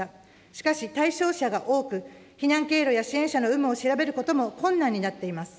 しかし、対象者が多く、避難経路や支援者の有無を調べることも困難になっています。